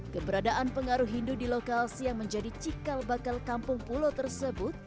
keberadaan pengaruh hindu di lokal siang menjadi cikal bakal kampung pulau tersebut